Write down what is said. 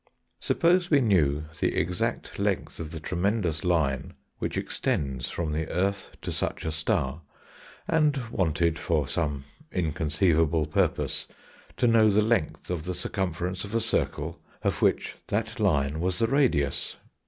Suppose we knew the exact length of the tremendous line which extends from the earth to such a star, and wanted, for some inconceivable purpose, to know the length of the circumference of a circle, of which that line was the radius.